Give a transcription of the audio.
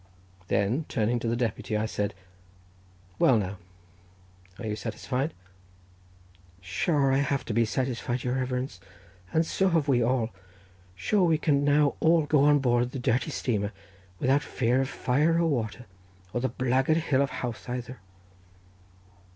Then turning to the deputy, I said, "Well, now are you satisfied?" "Sure, I have a right to be satisfied, your reverence; and so have we all—sure, we can now all go on board the dirty steamer, without fear of fire or water, or the blackguard Hill of Howth either."